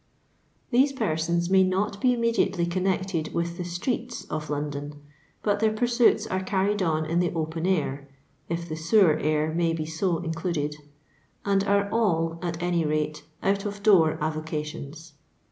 These persons may not be immediately connected with the ttrtett of Loudon, but their pursuits are carried on in the open air (if the sewer air may be so included), and are all, at any rate, out^f door arocations.